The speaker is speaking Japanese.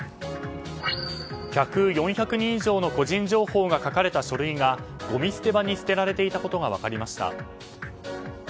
客４００人以上の個人情報が書かれた書類がごみ捨て場に捨てられていたことが分かりました。